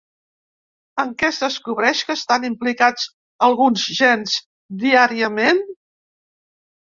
En què es descobreix que estan implicats alguns gens diàriament?